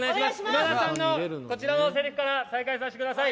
今田さんのこちらのせりふから再開させてください。